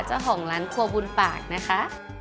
เจ้าของร้านครัวบุญปากนะคะ